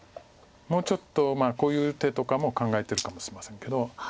もうちょっとこういう手とかも考えてるかもしれませんけど。